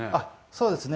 そうですね。